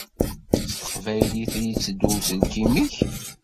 S teqbaylit i iteddu uselkim-ik?